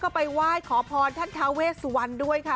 ก็ไปไหว้ขอพรท่านทาเวสวรรณด้วยค่ะ